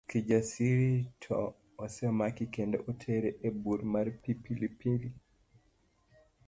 Kijasiri to osemaki kendo otere e bur mar pi Pilipili.